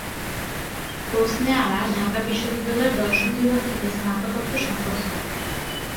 হোসনে আরা ঢাকা বিশ্ববিদ্যালয়ের দর্শন বিভাগ থেকে স্নাতকোত্তর সম্পন্ন করেন।